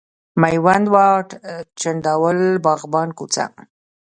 میوند واټ، چنداول، باغبان کوچه،